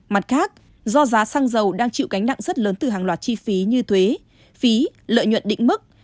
mặt khác do giá xăng dầu đang chịu cánh nặng rất lớn từ hàng loạt chi phí như thuế phí lợi nhuận định mức